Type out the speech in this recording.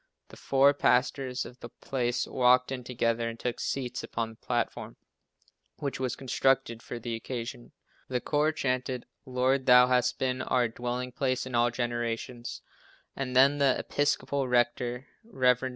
The four pastors of the place walked in together and took seats upon the platform, which was constructed for the occasion. The choir chanted "Lord, Thou hast been our dwelling place in all generations," and then the Episcopal rector, Rev. Mr.